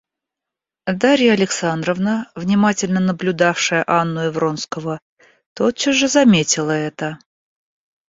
Дарья Александровна, внимательно наблюдавшая Анну и Вронского, тотчас же заметила это.